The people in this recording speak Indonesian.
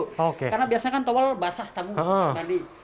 karena biasanya kan towal basah tamu mandi